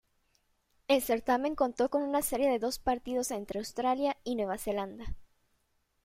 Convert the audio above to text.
El certamen contó con una serie de dos partido entre Australia y Nueva Zelanda.